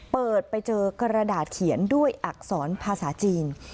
เปิดไปเจอกระดาษเขียนด้วยอักษรภาษาจีน